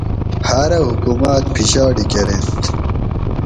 ہاۤرہ حکوماۤت پشاڑی کۤرینت